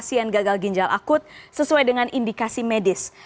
yang dilakukan ketika bertemu dengan pasien gagal ginjal akut sesuai dengan indikasi medis